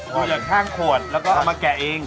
ออกจากข้างขวดแล้วก็เอามาแกะเอง